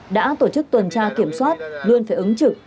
đã tổ chức tuần tra kiểm soát luôn phải ứng trực